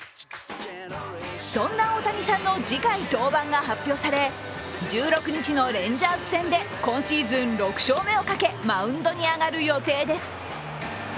そんな大谷さんの次回登板が発表され、１６日のレンジャーズ戦で今シーズン６勝目をかけマウンドに上がる予定です。